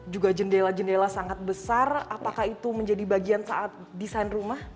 juga jendela jendela sangat besar apakah itu menjadi bagian saat desain rumah